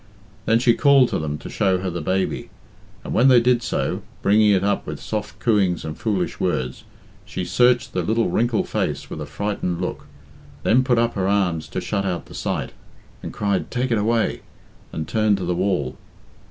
Then she called to them to show her the baby, and when they did so, bringing it up with soft cooings and foolish words, she searched the little wrinkled face with a frightened look, then put up her arms to shut out the sight, and cried "Take it away," and turned to the wall.